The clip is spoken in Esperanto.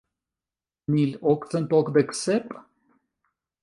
Mil okcent okdek sep?